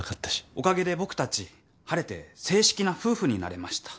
おかげで僕たち晴れて正式な夫婦になれました。